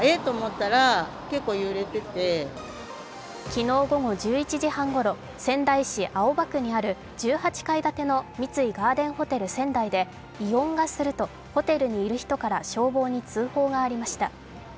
昨日午後１１時半ごろ、仙台市青葉区にある１８階建ての三井ガーデンホテル仙台で異音がするとホテルにいる人から消防に通報がありました。